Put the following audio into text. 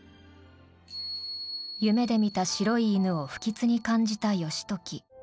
夢で見た白い犬を不吉に感じた義時。